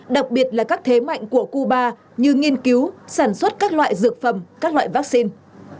đặc biệt là các thế mạnh của cuba như nghiên cứu sản xuất các loại dược phẩm các loại vaccine